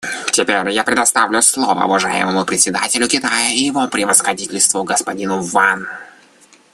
Теперь я предоставляю слово уважаемому представителю Китая его превосходительству господину Ван.